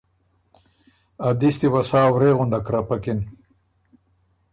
ا دِستی وه سا ورې غُندک رپکِن۔